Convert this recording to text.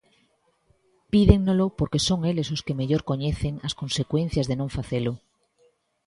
Pídennolo porque son eles os que mellor coñecen as consecuencias de non facelo.